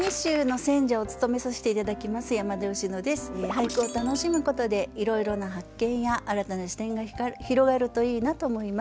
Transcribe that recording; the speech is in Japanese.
俳句を楽しむことでいろいろな発見や新たな視点が広がるといいなと思います。